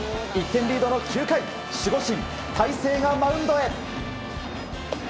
１点リードの９回守護神・大勢がマウンドへ。